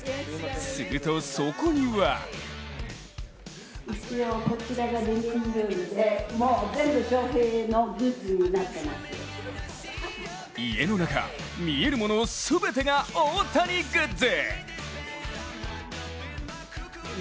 すると、そこには家の中、見えるもの全てが大谷グッズ。